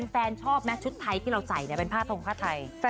ชอบไหมชุดไทยที่เราใส่เป็นผ้าทงผ้าไทย